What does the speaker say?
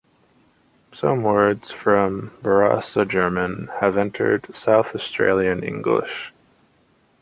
Some words from Barossa German have entered South Australian English.